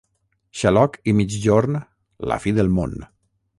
Xaloc i migjorn, la fi del món.